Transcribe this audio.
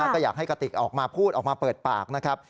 ก็อยากให้กระติกออกมาพูดออกมาเปิดปากนะครับ